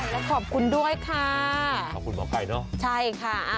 แล้วขอบคุณด้วยค่ะขอบคุณหมอไก่เนอะใช่ค่ะ